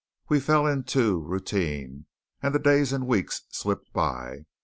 We fell into routine; and the days and weeks slipped by.